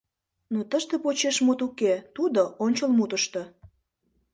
Но тыште почешмут уке, тудо — ончылмутышто.